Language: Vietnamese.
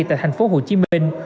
tại thành phố hồ chí minh